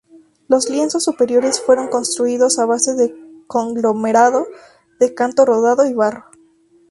Los lienzos superiores fueron construidos a base de conglomerado de canto rodado y barro.